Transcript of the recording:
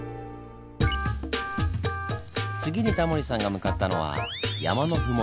次にタモリさんが向かったのは山の麓。